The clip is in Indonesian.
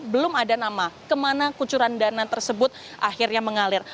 belum ada nama kemana kucuran dana tersebut akhirnya mengalir